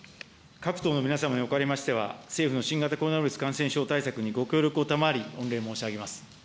各党の皆様におかれましては、政府の新型コロナウイルス対策にご協力をたまわり、御礼申し上げます。